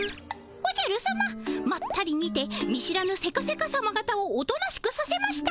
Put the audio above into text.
おじゃるさままったりにて見知らぬセカセカさまがたをおとなしくさせました。